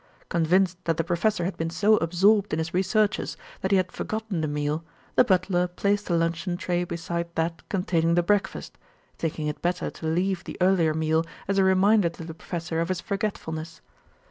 Convinced that the professor had been so absorbed in his researches that he had forgotten the meal, the butler placed the luncheon tray beside that containing the breakfast, thinking it better to leave the earlier meal as a reminder to the professor of his forgetfulness.